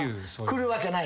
来るわけない？